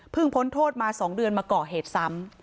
เพิ่งพ้นโทษมาสองเดือนมาเกาะเหตุซ้ำ